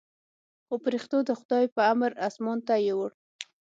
خو پرښتو د خداى په امر اسمان ته يووړ.